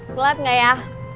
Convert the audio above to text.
telat gak ya